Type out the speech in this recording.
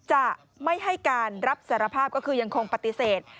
จะไม่ให้การรับสารภาพก็คือยังคงปฏิเสธ